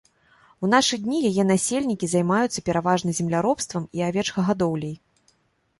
У нашы дні яе насельнікі займаюцца пераважна земляробствам і авечкагадоўляй.